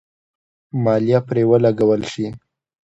مالیه پرې ولګول شي.